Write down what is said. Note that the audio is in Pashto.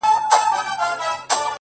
دننه ښه دی _ روح يې پر ميدان ښه دی _